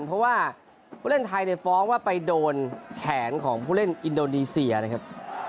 เพราะว่าผู้เล่นไทยฟ้องว่าไปโดนแขนของผู้เล่นอินโดนีเซียนะครับ